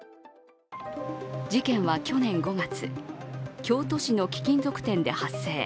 事件は去年５月、京都市の貴金属店で発生。